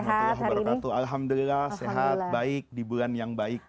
alhamdulillah sehat baik di bulan yang baik